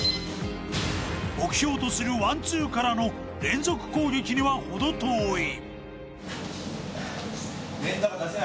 目標とするワン・ツーからの連続攻撃にはほど遠い。